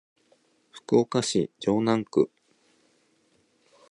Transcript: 福岡市城南区